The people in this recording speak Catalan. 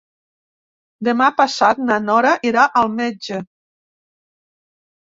Demà passat na Nora irà al metge.